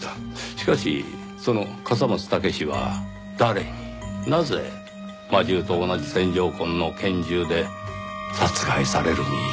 しかしその笠松剛史は誰になぜ魔銃と同じ線条痕の拳銃で殺害されるに至ったのか。